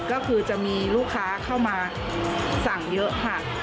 ก็คือจะมีลูกค้าเข้ามาสั่งเยอะค่ะ